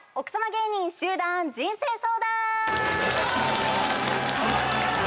芸人集団人生相談！